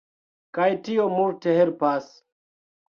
Kaj tio multe helpas.